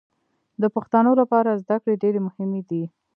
د پښتنو لپاره زدکړې ډېرې مهمې دي